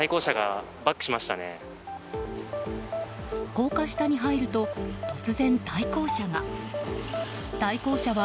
高架下に入ると突然、対向車が。